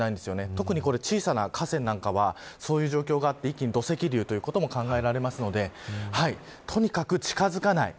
特に小さな河川なんかはそういう状況があって一気に土石流ということもありますのでとにかく近づかない。